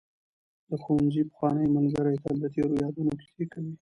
د ښوونځي پخواني ملګري تل د تېرو یادونو کیسې کوي.